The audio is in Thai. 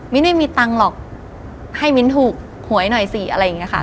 ไม่มีตังค์หรอกให้มิ้นถูกหวยหน่อยสิอะไรอย่างนี้ค่ะ